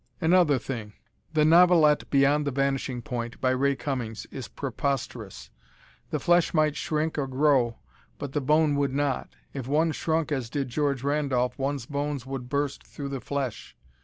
Another thing: the novelette "Beyond the Vanishing Point," by Ray Cummings, is preposterous. The flesh might shrink or grow, but the bone would not! If one shrunk as did George Randolph, one's bones would burst through the flesh.